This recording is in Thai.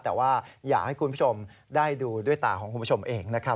แต่ว่าอยากให้คุณผู้ชมได้ดูด้วยตาของคุณผู้ชมเองนะครับ